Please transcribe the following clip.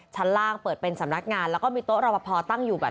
ชั้นล่างเปิดเป็นสำนักงานแล้วก็มีโต๊ะรอปภตั้งอยู่แบบ